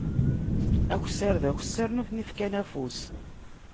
Aksar d aksar, nutni fkan afus.